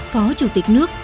phó chủ tịch nước